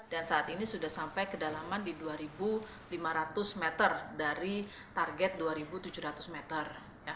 dan saat ini sudah sampai kedalaman di dua lima ratus meter dari target dua tujuh ratus meter